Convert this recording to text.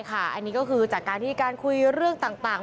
อันนี้ก็คือจากการที่การคุยเรื่องต่าง